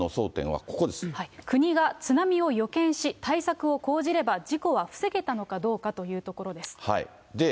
国が津波を予見し、対策を講じれば事故は防げたのかどうかというところです。